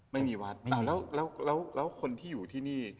ไม่มีวัดอ้าวแล้วคนที่อยู่ที่นี่